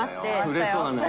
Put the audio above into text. うれしそうだね。